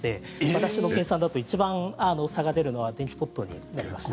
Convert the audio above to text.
私の計算だと、一番差が出るのは電気ポットになりました。